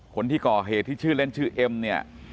คนที่ก่อเหตุที่ชื่อเล่นชื่อเอ็มเนี่ย